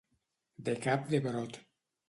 De cap de brot.